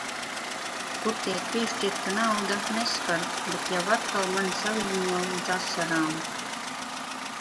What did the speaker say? Kur tiek piešķirta nauda, neskar, bet jau atkal mani saviļņo līdz asarām.